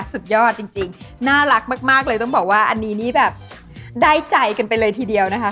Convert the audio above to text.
สุดยอดจริงน่ารักมากเลยต้องบอกว่าอันนี้นี่แบบได้ใจกันไปเลยทีเดียวนะคะ